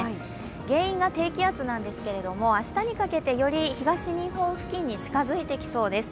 原因が低気圧なんですけれども、明日にかけてより東日本付近に近づいてきそうです。